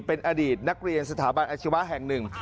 เป็นอดีตนักเรียนสถาบันอาชีวะแห่งหนึ่ง